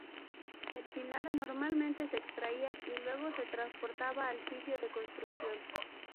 El pilar normalmente se extraía y luego se transportaba al sitio de construcción.